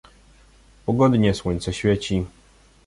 "Pogodnie słońce świeci."